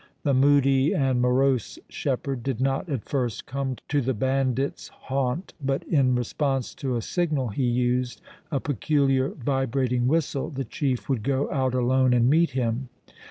The moody and morose shepherd did not at first come to the bandits' haunt, but in response to a signal he used, a peculiar vibrating whistle, the chief would go out alone and meet him.